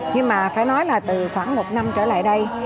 nhưng mà phải nói là từ khoảng một năm trở lại đây